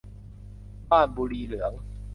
บานบุรีเหลือง